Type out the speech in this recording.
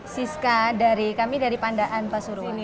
siska kami dari pandaan pasurwato